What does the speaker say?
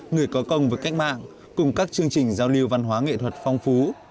người có công với cách mạng cùng các chương trình giao lưu văn hóa nghệ thuật phong phú